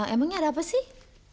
emangnya ada apa sih